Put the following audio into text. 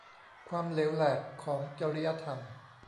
ความเหลวแหลกของจริยธรรม